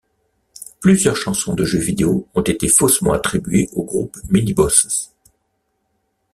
Plusieurs chansons de jeux vidéo ont été faussement attribuées au groupe Minibosses.